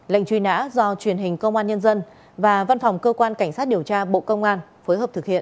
lệnh truy nã do truyền hình công an nhân dân và văn phòng cơ quan cảnh sát điều tra bộ công an phối hợp thực hiện